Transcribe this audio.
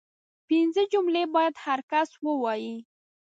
پنځه جملې باید هر کس ووايي